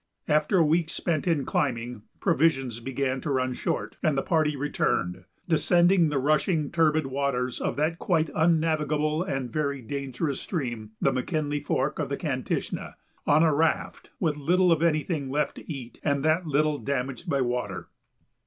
After a week spent in climbing, provisions began to run short and the party returned, descending the rushing, turbid waters of that quite unnavigable and very dangerous stream, the McKinley Fork of the Kantishna, on a raft, with little of anything left to eat, and that little damaged by water.